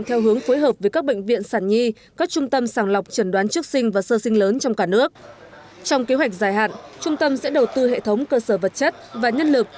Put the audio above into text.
trong kế hoạch dài hạn trung tâm sẽ đầu tư hệ thống cơ sở vật chất và nhân lực